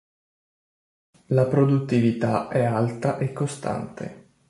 La produttività è alta e costante.